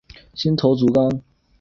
新头足纲。